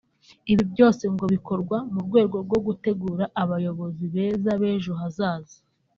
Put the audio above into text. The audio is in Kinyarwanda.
Ibi byose ngo bikorwa mu rwego rwo gutegura abayobozi beza b’ejo hazaza